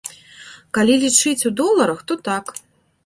Калі лічыць у доларах, то так.